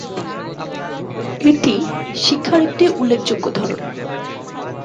এটি শিক্ষার একটি উল্লেখ্যযোগ্য ধরন।